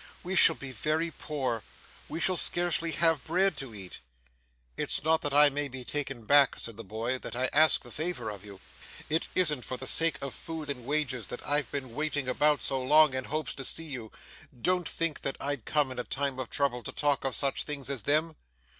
We shall be very poor. We shall scarcely have bread to eat.' 'It's not that I may be taken back,' said the boy, 'that I ask the favour of you. It isn't for the sake of food and wages that I've been waiting about so long in hopes to see you. Don't think that I'd come in a time of trouble to talk of such things as them.